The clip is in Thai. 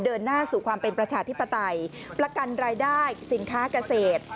หน้าสู่ความเป็นประชาธิปไตยประกันรายได้สินค้าเกษตร